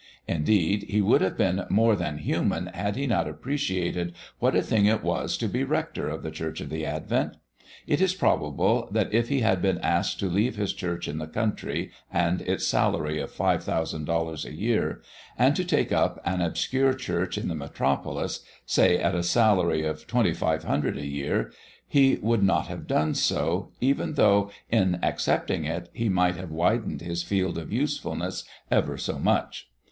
Indeed, he would have been more than human had he not appreciated what a thing it was to be rector of the Church of the Advent. It is probable that if he had been asked to leave his church in the country, and its salary of five thousand dollars a year, and to take up an obscure church in the metropolis, say, at a salary of twenty five hundred a year, he would not have done so, even though, in accepting it, he might have widened his field of usefulness ever so much.